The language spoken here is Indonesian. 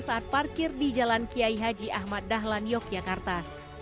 saat parkir di jalan kiai haji ahmad dahlan yogyakarta